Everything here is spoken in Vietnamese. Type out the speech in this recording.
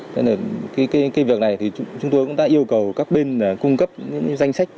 cái việc này chúng tôi cũng đã yêu cầu các bên cung cấp danh sách